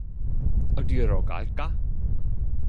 어디로 갈까?